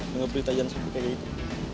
dengar berita jangan sampai kayak gitu